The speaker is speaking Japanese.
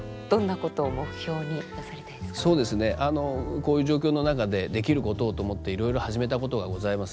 こういう状況の中でできることをと思っていろいろ始めたことがございます。